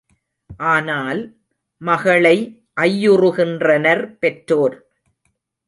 ஆனால், மகளை ஐயுறுகின்றனர் பெற்றோர்.